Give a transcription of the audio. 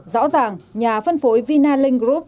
rõ ràng nhà phân phối vinailing group